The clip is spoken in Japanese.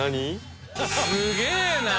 すげえな。